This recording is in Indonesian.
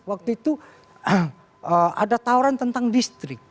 waktu itu ada tawaran tentang distrik